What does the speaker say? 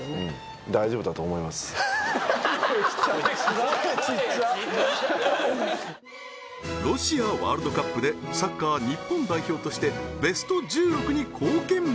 はっロシアワールドカップでサッカー日本代表としてベスト１６に貢献